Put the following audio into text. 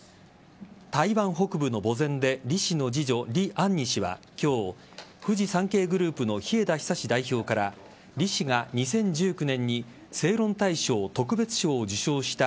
台湾北部の墓前で李氏の次女、リ・アンニ氏は今日フジサンケイグループの日枝久代表から李氏が２０１９年に正論大賞特別賞を受賞した